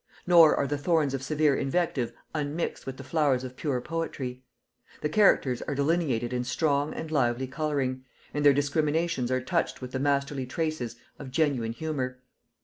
Nor are the thorns of severe invective unmixed with the flowers of pure poetry. The characters are delineated in strong and lively colouring, and their discriminations are touched with the masterly traces of genuine humour.